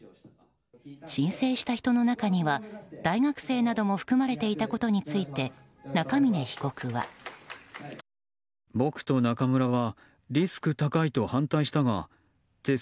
申請した人の中には大学生なども含まれていたことについて中峯被告は。